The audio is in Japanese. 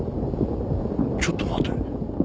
ちょっと待て。